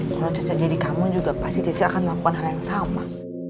kalau cicak jadi kamu juga pasti cica akan melakukan hal yang sama